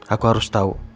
aku harus tau